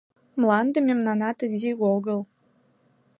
Мланде мемнанат изи огыл.